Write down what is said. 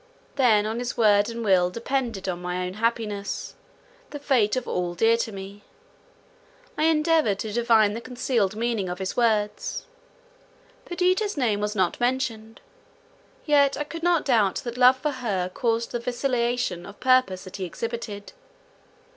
Then on his word and will depended my own happiness—the fate of all dear to me. I endeavoured to divine the concealed meaning of his words. Perdita's name was not mentioned; yet I could not doubt that love for her caused the vacillation of purpose that he exhibited.